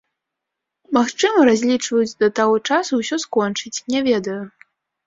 Магчыма, разлічваюць да таго часу ўсё скончыць, не ведаю.